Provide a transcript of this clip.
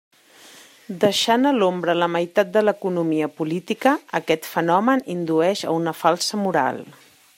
Deixant a l'ombra la meitat de l'economia política, aquest fenomen indueix a una falsa moral.